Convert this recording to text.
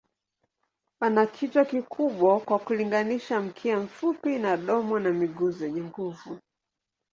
Wana kichwa kikubwa kwa kulinganisha, mkia mfupi na domo na miguu zenye nguvu.